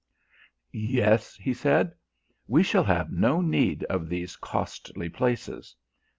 "Yes," he said, "we shall have no need of these costly places.